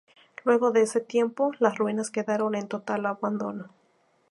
Luego de ese tiempo, las ruinas quedaron en total abandono.